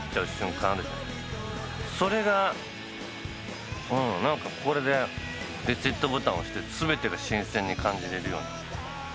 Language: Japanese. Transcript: それがなんかこれでリセットボタン押して全てが新鮮に感じられるようになった。